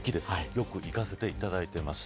よく行かせていただいています。